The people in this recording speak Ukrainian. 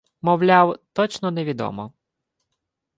Мовляв, точно невідомо